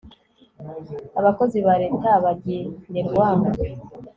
abakozi ba leta bagenerwa